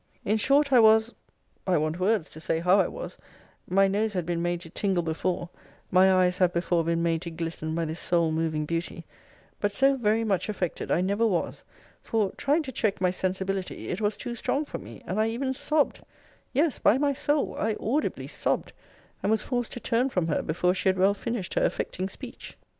In short, I was I want words to say how I was my nose had been made to tingle before; my eyes have before been made to glisten by this soul moving beauty; but so very much affected, I never was for, trying to check my sensibility, it was too strong for me, and I even sobbed Yes, by my soul, I audibly sobbed, and was forced to turn from her before she had well finished her affecting speech.